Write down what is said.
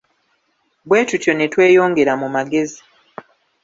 Bwe tutyo ne tweyongera mu magezi.